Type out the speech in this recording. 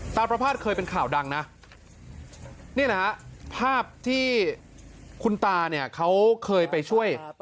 ประพาทเคยเป็นข่าวดังนะนี่แหละฮะภาพที่คุณตาเนี่ยเขาเคยไปช่วย